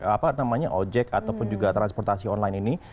apa namanya ojek ataupun juga transportasi online ini